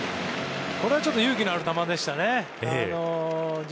これは、ちょっと勇気のある球でしたね。